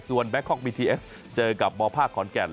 แบงคอกบีทีเอสเจอกับมภาคขอนแก่น